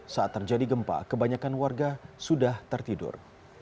saat terjadi gempa kebanyakan warga sudah tertidur